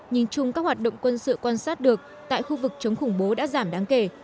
nhìn chung các hoạt động quân sự quan sát được tại khu vực chống khủng bố đã giảm đáng kể